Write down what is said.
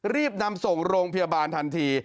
รีบนำส่งโรงพยาบาลทันที